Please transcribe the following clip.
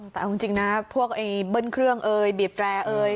แต่จริงพวกเบิ้ลเครื่องบีบแรร์